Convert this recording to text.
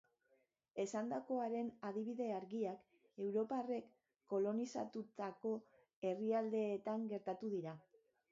Esandakoaren adibide argiak europarrek kolonizatutako herrialdeetan gertatu dira.